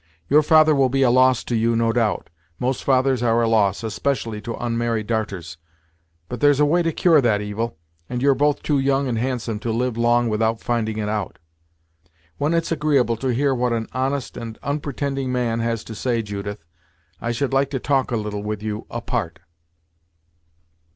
Your father will be a loss to you, no doubt; most fathers are a loss, especially to onmarried darters; but there's a way to cure that evil, and you're both too young and handsome to live long without finding it out. When it's agreeable to hear what an honest and onpretending man has to say, Judith, I should like to talk a little with you, apart."